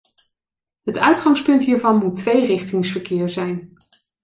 Het uitgangspunt hiervan moet tweerichtingsverkeer zijn.